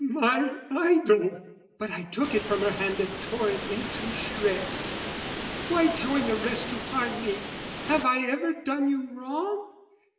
"'My idol!'"... But I took it from her hand And tore it into shreds. "Why join the rest "Who harm me? Have I ever done you wrong?